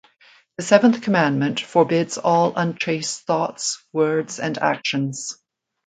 The seventh commandment forbids all unchaste thoughts, words, and actions.